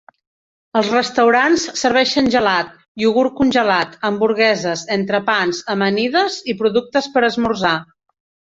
Els restaurants serveixen gelat, iogurt congelat, hamburgueses, entrepans, amanides i productes per esmorzar.